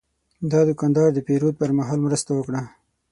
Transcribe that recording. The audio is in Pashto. دا دوکاندار د پیرود پر مهال مرسته وکړه.